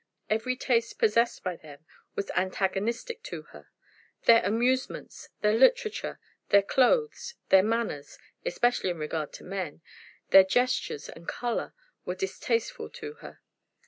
Every taste possessed by them was antagonistic to her. Their amusements, their literature, their clothes, their manners, especially in regard to men, their gestures and color, were distasteful to her.